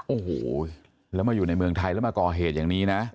โอ้โหแล้วมาอยู่ในเมืองไทยแล้วมาก่อเหตุอย่างนี้นะ